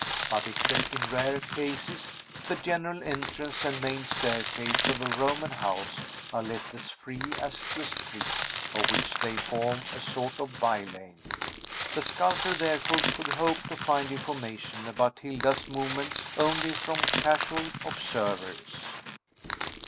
But except in rare cases, the general entrance and main staircase of a Roman house are left as free as the street, of which they form a sort of by lane. The sculptor, therefore, could hope to find information about Hilda's movements only from casual observers.